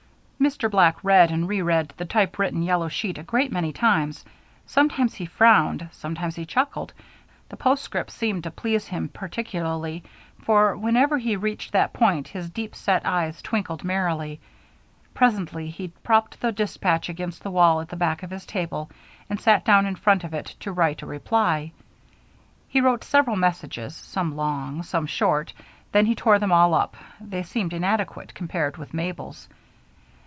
Mr. Black read and reread the typewritten yellow sheet a great many times; sometimes he frowned, sometimes he chuckled; the postscript seemed to please him particularly, for whenever he reached that point his deep set eyes twinkled merrily. Presently he propped the dispatch against the wall at the back of his table and sat down in front of it to write a reply. He wrote several messages, some long, some short; then he tore them all up they seemed inadequate compared with Mabel's.